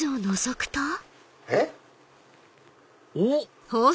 えっ？おっ！